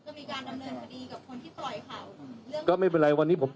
ก็มีการดำเนินคดีกับคนที่ปล่อยข่าว